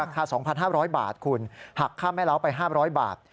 ๒๕๐๐บาทคุณหักค่าแม่เล้าไป๕๐๐บาท